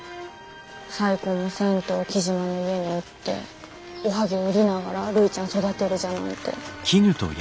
再婚もせんと雉真の家におっておはぎゅう売りながらるいちゃん育てるじゃなんて。